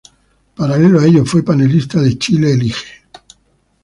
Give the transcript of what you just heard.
Paralelo a ello fue panelista de Chile Elige.